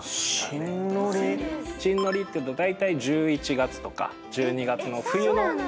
新のりっていうとだいたい１１月とか１２月の冬の。